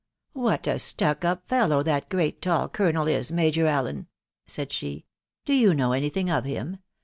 " What a stuck up fellow that great tall colonel is, Major Allen," said she. " Do you know any thing of him